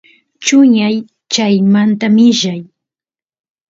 chuñay chaymanta millay